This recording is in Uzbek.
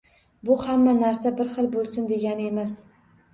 Bu — hamma narsa bir xil bo’lsin degani emas.